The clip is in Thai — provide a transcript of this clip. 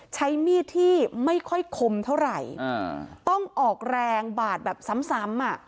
ใช้มีดที่ไม่ค่อยคมเท่าไหร่อ่าต้องออกแรงบาดแบบซ้ำซ้ำอ่ะ